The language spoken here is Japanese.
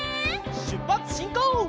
しゅっぱつしんこう！